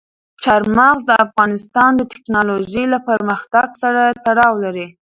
چار مغز د افغانستان د تکنالوژۍ له پرمختګ سره تړاو لري.